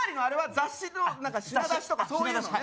雑誌の品出しとかそういうのね